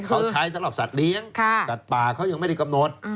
เขาใช้สำหรับสัตว์เลี้ยงสัตว์ป่าเขายังไม่ได้กำหนด